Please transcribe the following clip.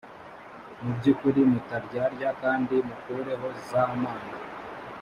mu by ukuri mutaryarya kandi mukureho za mana